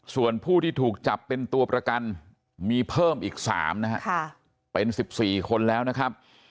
ส่วนผู้ที่ถูกจับเป็นตัวประกันมีเพิ่มอีก๓นะฮะเป็น๑๔คนแล้วนะครับ